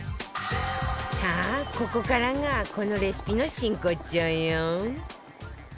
さあここからがこのレシピの真骨頂よ